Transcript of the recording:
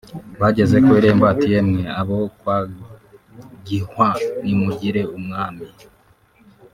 Bageze ku irembo ati "Yemwe abo kwa Gihwa nimugire umwami